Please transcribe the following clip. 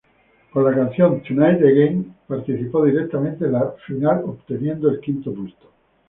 Con la canción "Tonight again" participó directamente en la final obteniendo el quinto puesto.